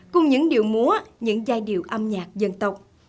cùng những điệu múa những giai điệu âm nhạc dân tộc